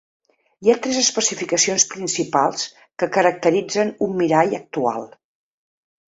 Hi ha tres especificacions principals que caracteritzen un mirall actual.